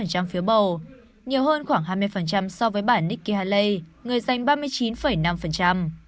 nhiều hơn khoảng hai mươi so với bà nikki haley người giành ba mươi chín năm